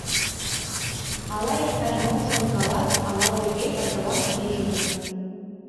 Ала иктаж-мом шонкалат, ала вуйге пашалан пижыныт.